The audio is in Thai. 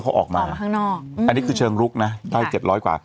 เอาต่างประเทศจริงไงไม่รู้